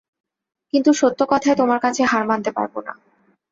কিন্তু সত্য কথায় তোমার কাছে হার মানতে পারব না।